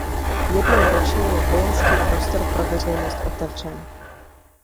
Jednou ročně je vojenský prostor pro veřejnost otevřen.